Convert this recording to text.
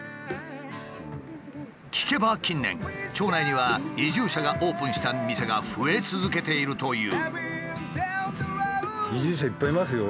聞けば近年町内には移住者がオープンした店が増え続けているという。